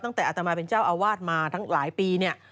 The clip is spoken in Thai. ตั้งแต่อัตมาเป็นเจ้าอาวาสมาทั้งหลายปีเนี่ย